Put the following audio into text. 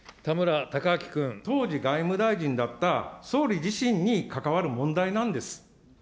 当時、外務大臣だった総理自身に関わる問題なんです。